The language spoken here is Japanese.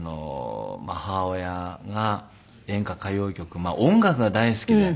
母親が演歌歌謡曲音楽が大好きで。